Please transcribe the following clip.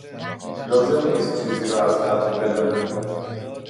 لازم نیست چیزی را از قبل بدانی.